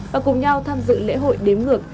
và cùng nhau tham dự lễ hội đếm ngược